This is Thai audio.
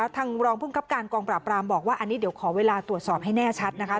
ทางรองภูมิครับการกองปราบรามบอกว่าอันนี้เดี๋ยวขอเวลาตรวจสอบให้แน่ชัดนะคะ